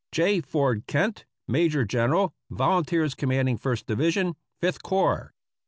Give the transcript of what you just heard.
J. Ford Kent, Major General Volunteers Commanding First Division, Fifth Corps.